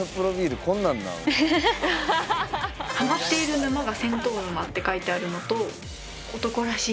ハマっている沼が銭湯沼って書いてあるのと男らしい男らしい？